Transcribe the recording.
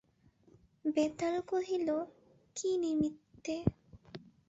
বেতাল কহিল, কী নিমিত্তে?